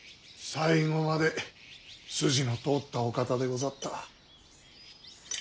最後まで筋の通ったお方でござった。